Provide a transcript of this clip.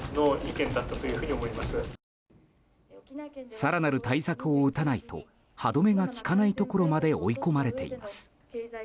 更なる対策を打たないと歯止めが利かないところまで追い込まれています。